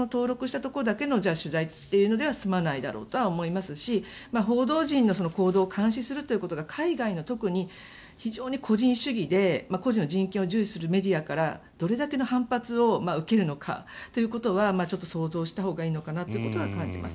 なかなか登録したところだけの取材というのでは済まないだろうと思いますし報道陣の行動を監視するということが海外の特に、非常に個人主義で個人の人権を重視するメディアからどれだけの反発を受けるのかは想像したほうがいいと思います。